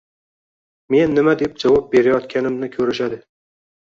Men nima deb javob berayotganimni koʻrishadi.